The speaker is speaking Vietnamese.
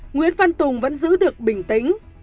nguyễn văn tùng vẫn giữ được bình tĩnh